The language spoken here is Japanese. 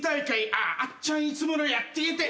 「あああっちゃんいつものやったげて」